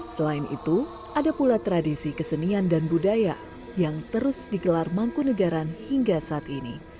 selain itu ada pula tradisi kesenian dan budaya yang terus digelar mangkunegaran hingga saat ini